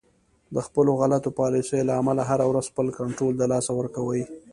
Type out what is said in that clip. د خپلو غلطو پالیسیو له امله هر ورځ خپل کنترول د لاسه ورکوي